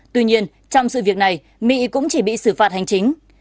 tuy nhiên trong sự việc này mỹ cũng chỉ bị xử phạt hành chính